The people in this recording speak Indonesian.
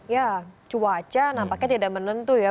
ya cuaca nampaknya tidak menentu ya